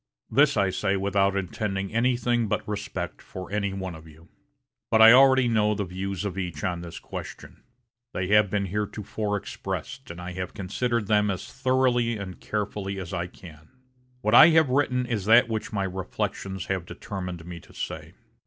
This I say without intending anything but respect for any one of you. But I already know the views of each on this question. They have been heretofore expressed, and I have considered them as thoroughly and carefully as I can. What I have written is that which my reflections have determined me to say.